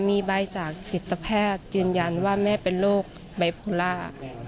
มีใบจากจิตแพทย์ยืนยันว่าแม่เป็นโรคไบโพล่า